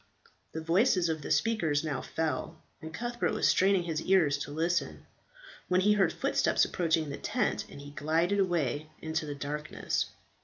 The voices of the speakers now fell, and Cuthbert was straining his ear to listen, when he heard footsteps approaching the tent, and he glided away into the darkness.